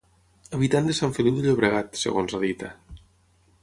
Habitant de Sant Feliu de Llobregat, segons la dita.